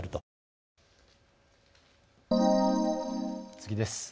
次です。